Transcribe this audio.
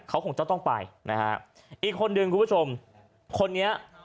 เค้าของเจ้าต้องไปนะฮะอีกคนหนึ่งคุณผู้ชมคนนี้